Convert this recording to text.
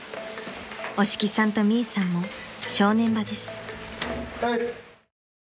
［押木さんとミイさんも正念場です］